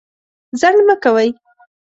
ځنډ مه کوئ.